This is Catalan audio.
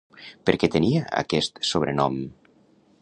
Per què tenia aquest sobrenom?